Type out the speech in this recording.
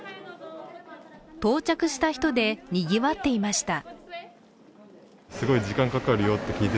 到着した人でにぎわっていました。